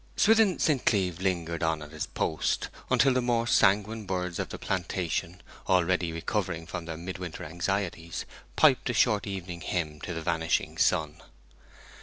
II Swithin St. Cleeve lingered on at his post, until the more sanguine birds of the plantation, already recovering from their midwinter anxieties, piped a short evening hymn to the vanishing sun.